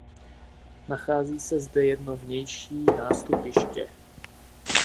Nachází se zde jedno vnější nástupiště.